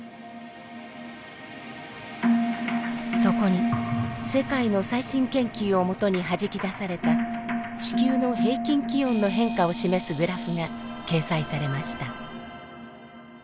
そこに世界の最新研究をもとにはじき出された地球の平均気温の変化を示すグラフが掲載されました。